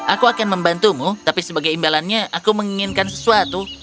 aku akan membantumu tapi sebagai imbalannya aku menginginkan sesuatu